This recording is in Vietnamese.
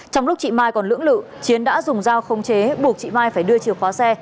trong lúc chị mai còn lưỡng lự chiến đã dùng dao không chế buộc chị mai phải đưa chìa khóa xe